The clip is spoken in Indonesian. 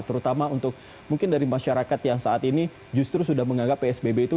terutama untuk mungkin dari masyarakat yang saat ini justru sudah menganggap psbb itu